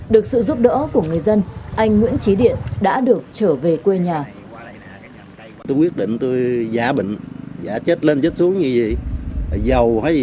được sự giúp đỡ của người dân anh nguyễn trí điện đã được trở về quê nhà